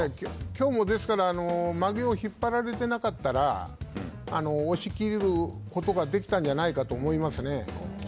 きょうも、ですからまげを引っ張られてなかったから押し切ることができたんじゃないかなと思いますね。